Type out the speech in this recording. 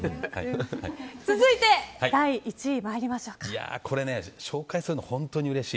続いて、第１位参りましょうか。